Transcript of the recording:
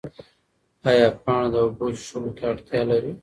ایا پاڼه د اوبو څښلو ته اړتیا لري؟